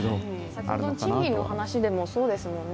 先ほどの賃金の話でもそうですもんね。